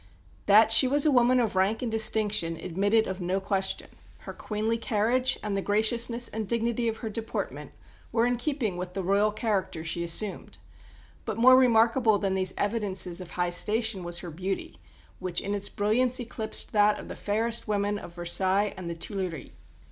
That she was a woman of rank and distinction admitted of no question. Her queenly carriage and the graciousness and dignity of her deportment were in keeping with the Royal character she assumed; but more remarkable than these evidences of high station was her beauty, which in its brilliance eclipsed that of the fairest women of Versailles and the Tuileries.